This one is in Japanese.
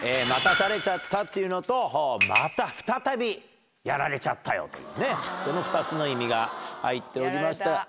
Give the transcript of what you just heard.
待たされちゃったっていうのとまた再びやられちゃったよというねその２つの意味が入っておりました。